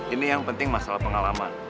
ini yang penting masalah pengalaman